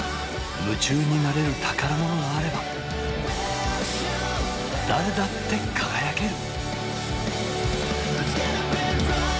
夢中になれる宝物があれば誰だって輝ける！